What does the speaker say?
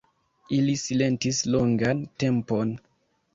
Ili silentis longan tempon.